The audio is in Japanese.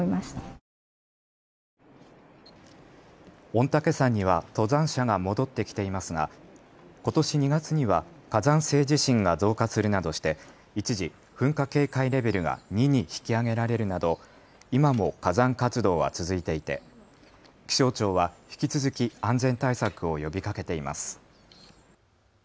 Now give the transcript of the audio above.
御嶽山には登山者が戻ってきていますがことし２月には火山性地震が増加するなどして一時、噴火警戒レベルが２に引き上げられるなど今も火山活動は続いていて気象庁は引き続き安全対策を呼びかけています。